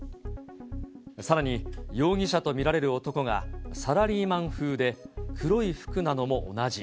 さらに、容疑者と見られる男がサラリーマン風で黒い服なのも同じ。